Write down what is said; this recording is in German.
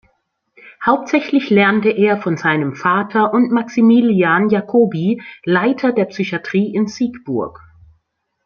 Hauptsächlich lernte er von seinem Vater und Maximilian Jacobi, Leiter der Psychiatrie in Siegburg.